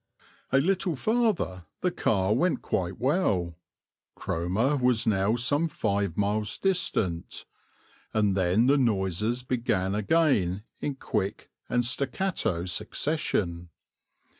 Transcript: A little farther the car went quite well Cromer was now some five miles distant and then the noises began again in quick and staccato succession.